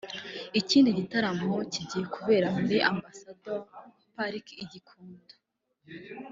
Ikindi gitaramo kigiye kubera muri Ambassador's Park i Gikondo